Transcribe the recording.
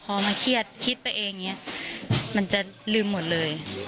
พอมาเครียดคิดไปเองมันจะลืมหมดเลย